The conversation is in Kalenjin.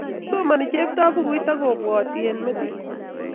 Somani chepto bukuit akobwati eng metit